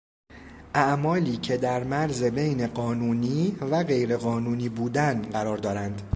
اعمالی که در مرز بین قانونی و غیر قانونی بودن قرار دارند